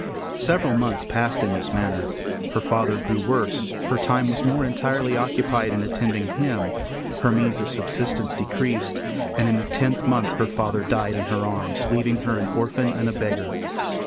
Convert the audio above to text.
Several months passed in this manner. Her father grew worse; her time was more entirely occupied in attending him; her means of subsistence decreased; and in the tenth month her father died in her arms, leaving her an orphan and a beggar.